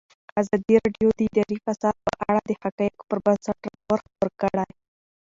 ازادي راډیو د اداري فساد په اړه د حقایقو پر بنسټ راپور خپور کړی.